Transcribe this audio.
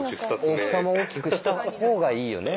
大きさも大きくした方がいいよね。